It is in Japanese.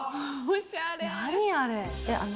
何あれ？